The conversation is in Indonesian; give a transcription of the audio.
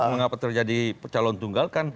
mengapa terjadi calon tunggal